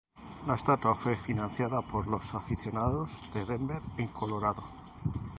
La estatua fue financiada por los aficionados de Denver en Colorado.